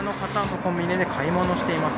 コンビニの中で買い物をしています。